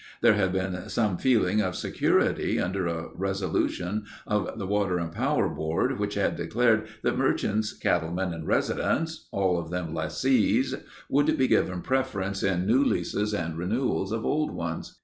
There had been some feeling of security under a resolution of the Water and Power Board which had declared that merchants, cattlemen, and residents—all of them lessees, would be given preference in new leases and renewals of old ones.